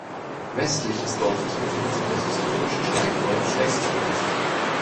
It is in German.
Westlich des Dorfes befindet sich das historische Steinkreuz Westdorf.